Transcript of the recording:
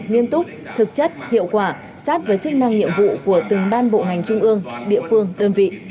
nghiêm túc thực chất hiệu quả sát với chức năng nhiệm vụ của từng ban bộ ngành trung ương địa phương đơn vị